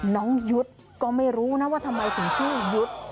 ยุทธ์ก็ไม่รู้นะว่าทำไมถึงชื่อยุทธ์